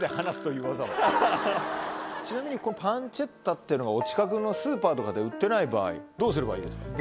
ちなみにこのパンチェッタっていうのがお近くのスーパーとかで売ってない場合どうすればいいですか？